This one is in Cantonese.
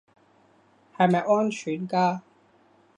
係咪安全㗎